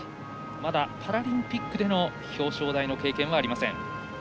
まだパラリンピックでの表彰台の経験はありません。